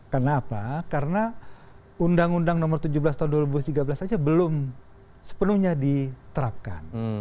karena apa karena undang undang nomor tujuh belas tahun dua ribu tiga belas saja belum sepenuhnya diterapkan